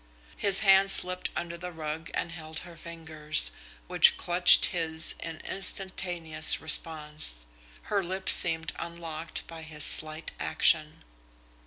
His hand slipped under the rug and held her fingers, which clutched his in instantaneous response. Her lips seemed unlocked by his slight action.